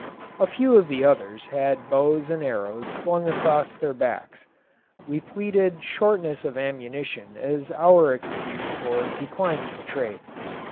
A few of the others had bows and arrows slung across their backs. We pleaded shortness of ammunition as our excuse for declining the trade.